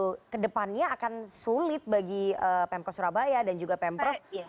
jadi itu ke depannya akan sulit bagi pemkot surabaya dan juga pemkot jawa timur